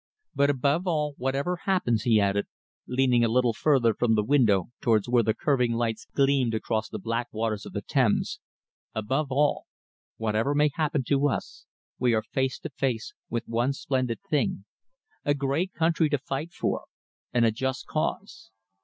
But above all, whatever happens," he added, leaning a little further from the window towards where the curving lights gleamed across the black waters of the Thames, "above all, whatever may happen to us, we are face to face with one splendid thing a great country to fight for, and a just cause.